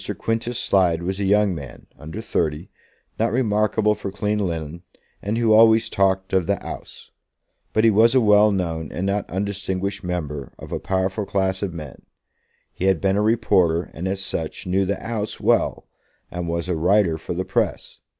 Quintus Slide was a young man, under thirty, not remarkable for clean linen, and who always talked of the "'Ouse." But he was a well known and not undistinguished member of a powerful class of men. He had been a reporter, and as such knew the "'Ouse" well, and was a writer for the press.